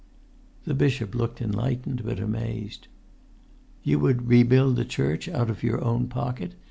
The bishop looked enlightened but amazed. "You would rebuild the church out of your own pocket?